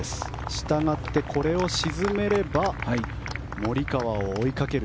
したがって、これを沈めればモリカワを追いかける